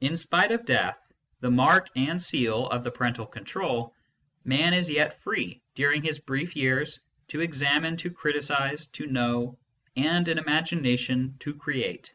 In spite of Death, the mark and seal of the parental control, Man is yet free, during his brief years, to examine, to criticise, to know, and in imagination to create.